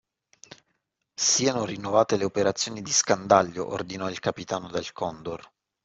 Sieno rinnovate le operazioni di scandaglio ordinò il capitano del Condor.